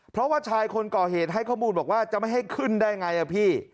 เพราะว่าชายคนก่อเหตุให้ข้อมูลบอกว่าจะไม่ให้ขึ้นได้ไงอ่ะพี่